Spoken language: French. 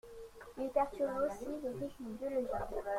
Il perturbe aussi les rythmes biologiques.